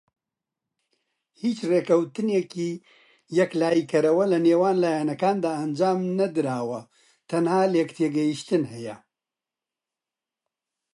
هیچ ڕێککەوتنێکی یەکلایی کەرەوە لەنێوان لایەنەکاندا ئەنجام نەدراوە و تەنها لێکتێگەیشتن هەیە.